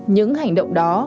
những hành động đó